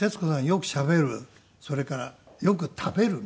よくしゃべるそれからよく食べるね。